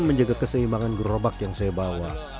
menjaga keseimbangan gerobak yang saya bawa